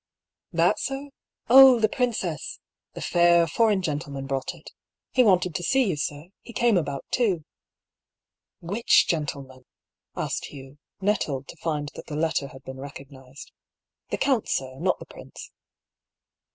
"That, sir? Oh, the princess! The fair, foreign gentleman brought it. He wanted to see you, sir. He came about two." " Which gentleman ?" asked Hugh — nettled to find that the letter had been recognised. " The count, sir ; not the prince.'